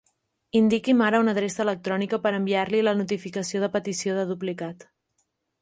Indiqui'm ara una adreça electrònica per enviar-li la notificació de petició de duplicat.